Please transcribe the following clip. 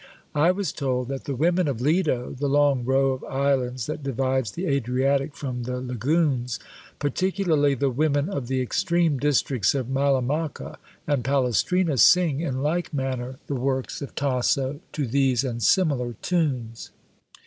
I was told that the women of Lido, the long row of islands that divides the Adriatic from the Lagouns, particularly the women of the extreme districts of Malamocca and Palestrina, sing in like manner the works of Tasso to these and similar tunes.